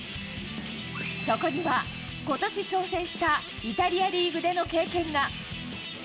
そこには、ことし挑戦したイタリアリーグでの経験が。